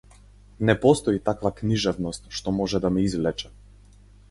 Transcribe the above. Не постои таква книжевност што може да ме извлече.